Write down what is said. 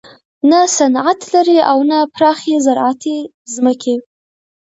نه صنعت لري او نه پراخې زراعتي ځمکې.